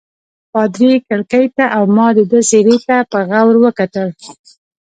پادري کړکۍ ته او ما د ده څېرې ته په غور وکتل.